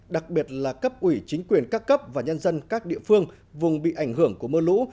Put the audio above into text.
đặc biệt là cấp ủy chính quyền các cấp và nhân dân các địa phương vùng bị ảnh hưởng của mưa lũ